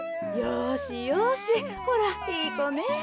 よしよしほらいいこね。